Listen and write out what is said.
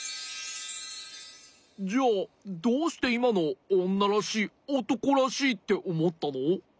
じゃあどうしていまのをおんならしいおとこらしいっておもったの？